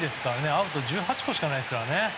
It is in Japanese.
アウト１８個しかないですからね。